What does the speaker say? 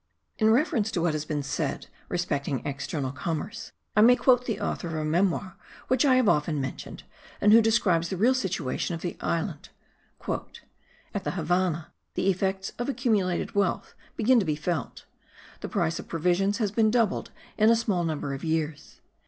In reference to what has been said respecting external commerce, I may quote the author of a memoir which I have often mentioned, and who describes the real situation of the island. "At the Havannah, the effects of accumulated wealth begin to be felt; the price of provisions has been doubled in a small number of years.